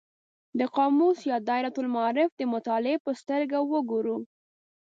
د قاموس یا دایرة المعارف د مطالعې په سترګه وګورو.